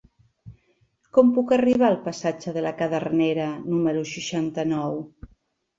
Com puc arribar al passatge de la Cadernera número seixanta-nou?